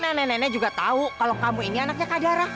nenek nenek juga tahu kalau kamu ini anaknya kadara